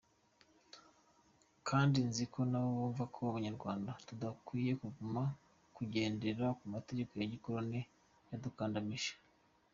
Kandi nziko nabo bumva ko abanyarwanda tudakwiye kuguma kugendera ku mategeko ya Gikoloni yadukandamije.